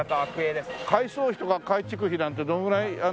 改装費とか改築費なんてどのぐらい？